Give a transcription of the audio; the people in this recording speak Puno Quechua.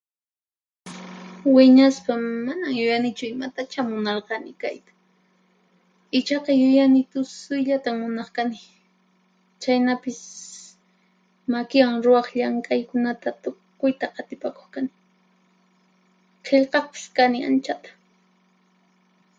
Wiñaspa manan yuyanichu imatachá munarqani kayta, ichaqa yuyani tusuyllatan munaqkani, chhaynapis makiwan ruwaq llankaykunata tukuyta qatipakuqkani; qillqaqpis kani anchata.